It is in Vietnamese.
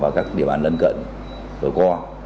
và các địa bàn lân cận đối co